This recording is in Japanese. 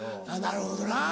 なるほどな。